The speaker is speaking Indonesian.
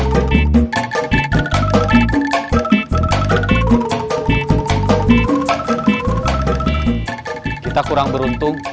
sampai dia dapat pecat